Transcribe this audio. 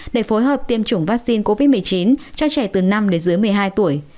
để phối hợp tiêm chủng vaccine covid một mươi chín cho trẻ từ năm đến dưới một mươi hai tuổi